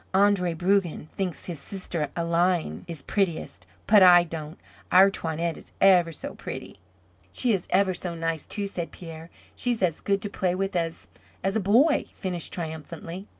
Andre Brugen thinks his sister Aline is prettiest, but I don't. Our Toinette is ever so pretty." "She is ever so nice, too," said Pierre. "She's as good to play with as as a boy," finished triumphantly.